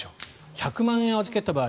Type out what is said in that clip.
１００万円預けた場合